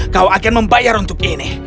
kau akan membayar untuk ini